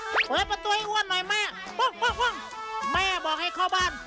เปิดประตูให้อ้วนหน่อยแม่ปึ้งแม่บอกให้เข้าบ้าน